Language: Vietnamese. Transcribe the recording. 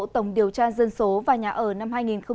tổng điều tra dân số và nhà ở năm hai nghìn một mươi chín